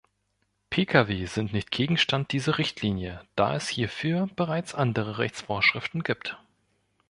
Pkw sind nicht Gegenstand dieser Richtlinie, da es hierfür bereits andere Rechtsvorschriften gibt.